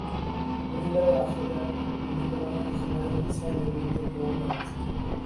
রোহিঙ্গাদের আশ্রয় দেওয়ার অভিযোগে বাংলাদেশি নাগরিক ইসমাইলের বিরুদ্ধে একটি মামলা হয়েছে।